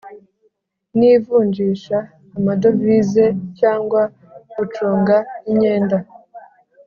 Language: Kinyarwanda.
N ivunjisha amadovize cyangwa gucunga imyenda